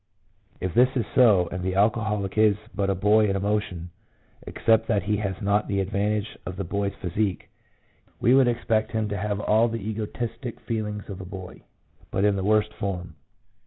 1 If this is so, and the alcoholic is but a boy in emotion, except that he has not the advantage of the boy's physique, we would expect him to have all the egotistic feelings of a boy, but in the worst form.